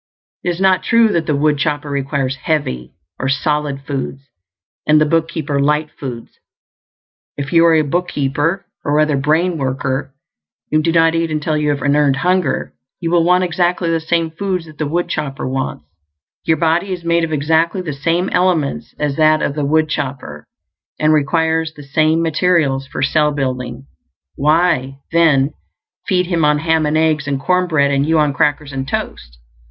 It is not true that the woodchopper requires "heavy" or "solid" foods and the bookkeeper "light" foods. If you are a bookkeeper, or other brain worker, and do not eat until you have an EARNED hunger, you will want exactly the same foods that the woodchopper wants. Your body is made of exactly the same elements as that of the woodchopper, and requires the same materials for cell building; why, then, feed him on ham and eggs and corn bread and you on crackers and toast?